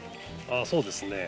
そうですね。